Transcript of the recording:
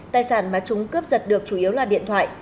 tài sản mà chúng cướp giật được chủ yếu là điện thoại